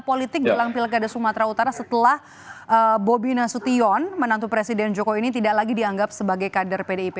politik jelang pilkada sumatera utara setelah bobi nasution menantu presiden jokowi ini tidak lagi dianggap sebagai kader pdip